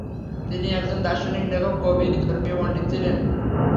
তিনি একজন দার্শনিক, লেখক, কবি, ধর্মীয় পণ্ডিত ছিলেন।